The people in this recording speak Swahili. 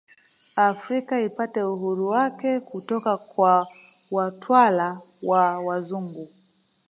Afrika ipate uhuru wake kutoka kwa watwala wa wazungu